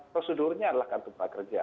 prosedurnya adalah kantor pekerja